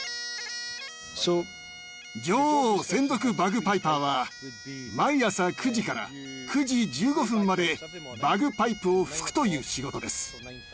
女王専属バグパイパーは毎朝９時から９時１５分までバグパイプを吹くという仕事です。